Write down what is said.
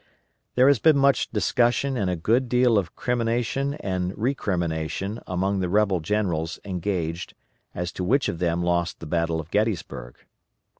There has been much discussion and a good deal of crimination and recrimination among the rebel generals engaged as to which of them lost the battle of Gettysburg.